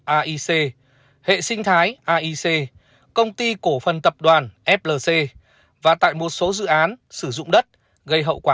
aic hệ sinh thái aic công ty cổ phần tập đoàn flc và tại một số dự án sử dụng đất gây hậu quả